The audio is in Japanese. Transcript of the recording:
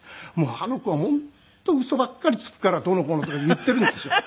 「あの子は本当嘘ばっかりつくから」どうのこうのとか言ってるんですよ！